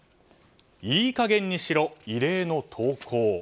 いい加減にしろ、異例の投稿。